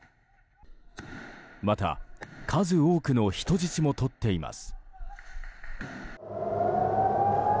また、数多くの人質もとっています。